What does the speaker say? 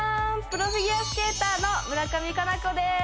プロフィギュアスケーターの村上佳菜子です